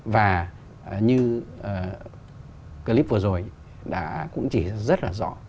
và như clip vừa rồi đã cũng chỉ ra rất là rõ